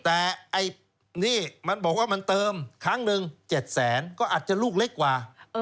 แต่ไอ้นี่มันบอกว่ามันเติมครั้งหนึ่ง๗แสนก็อาจจะลูกเล็กกว่า